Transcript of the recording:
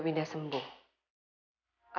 jangan sembar mak